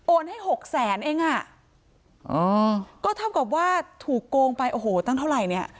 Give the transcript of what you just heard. ให้หกแสนเองอ่ะอ๋อก็เท่ากับว่าถูกโกงไปโอ้โหตั้งเท่าไหร่เนี่ย